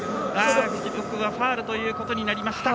ファウルということになりました。